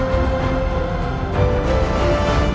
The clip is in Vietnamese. hẹn gặp lại